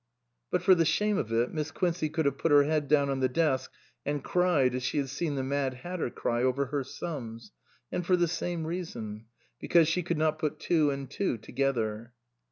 But for the shame of it, Miss Quincey could have put her head down on the desk and cried as she had seen the Mad Hatter cry over her sums, and for the same reason ; because she could not put two and two together.